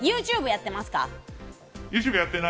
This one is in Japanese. ＹｏｕＴｕｂｅやってますか？